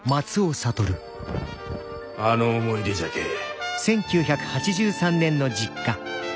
あの思い出じゃけえ。